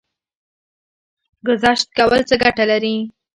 ګذشت کول څه ګټه لري؟